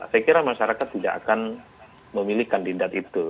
saya kira masyarakat tidak akan memilih kandidat itu